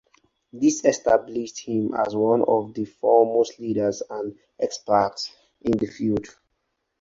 This established him as one of the foremost leaders and experts in the field.